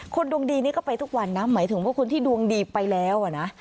ดวงดีนี่ก็ไปทุกวันนะหมายถึงว่าคนที่ดวงดีไปแล้วนะ